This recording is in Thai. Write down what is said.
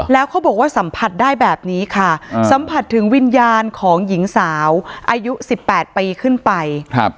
แล้วเขาบอกว่าสัมผัสได้แบบนี้ค่ะสัมผัสถึงวิญญาณของหญิงสาวอายุ๑๘ปีขึ้นไป